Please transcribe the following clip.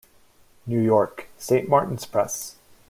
New York: Saint Martin's Press.